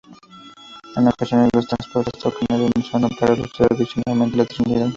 En ocasiones, las trompetas tocan al unísono, para ilustrar adicionalmente a la Trinidad.